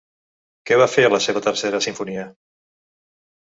Què va fer a la seva Tercera Simfonia?